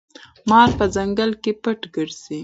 مار په ځنګل کې پټ ګرځي.